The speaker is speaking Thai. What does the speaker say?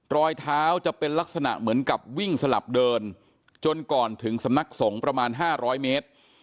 รอยเท้าจะเป็นลักษณะเหมือนกับวิ่งสลับเดินจนก่อนถึงสำนักสงฆ์ประมาณ๕๐๐เมตร